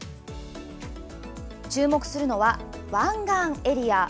注目するのは湾岸エリア。